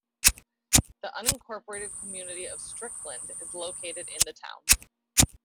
The unincorporated community of Strickland is located in the town.